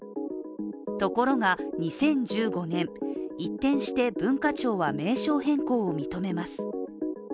ところが、２０１５年、一転して文化庁は名称変更を認めます。